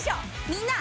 みんな。